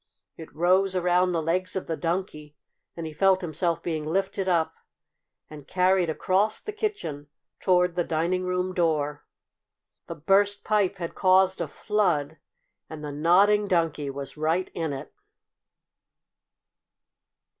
It rose around the legs of the Donkey, and he felt himself being lifted up and carried across the kitchen toward the dining room door. The burst pipe had caused a flood, and the Nodding Donkey was right in it!